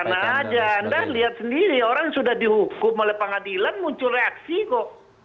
anda lihat sendiri orang sudah dihukum oleh pengadilan muncul reaksi kok